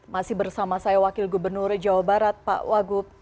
masih bersama saya wakil gubernur jawa barat pak wagub